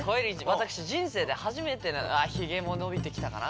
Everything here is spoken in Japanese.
私人生で初めてあっヒゲも伸びて来たかな？